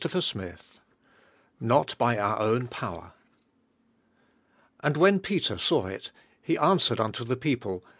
Ouptef V, NOT BY OUR OWN POWER And when Peter saw It be answered unto the people.